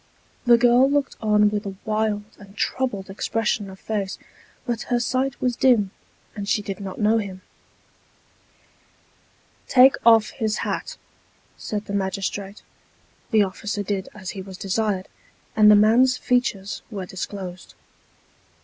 The girl looked on with a wild and troubled expression of face ; but her sight was dim, and she did not know him. " Take off his hat," said the magistrate. The officer did as he was desired, and the man's features were disclosed.